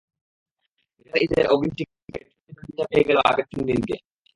রেলের ঈদের অগ্রিম টিকিট চতুর্থ দিনের ভিড় ছাপিয়ে গেল আগের তিন দিনকে।